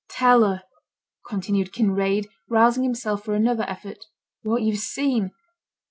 'Tell her,' continued Kinraid, rousing himself for another effort, 'what yo've seen.